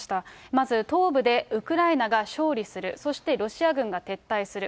まず東部でウクライナが勝利する、そしてロシア軍が撤退する。